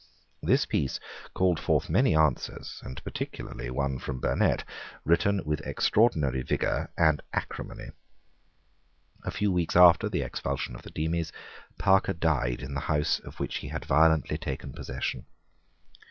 This piece called forth many answers, and particularly one from Burnet, written with extraordinary vigour and acrimony. A few weeks after the expulsion of the Demies, Parker died in the house of which he had violently taken possession.